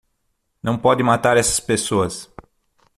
Não pode matar essas pessoas